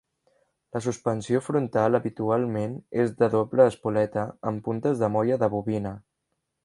La suspensió frontal habitualment és de doble espoleta amb puntes de molla de bobina.